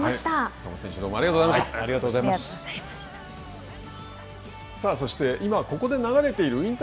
坂本選手どうもありがとうございました。